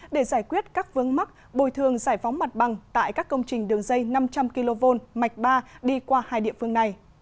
để giải quyết các vướng mắc bồi thường giải phóng mặt bằng tại các công trình đường dây năm trăm linh kv mạch ba đi qua hai địa phương này